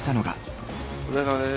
お疲れさまです。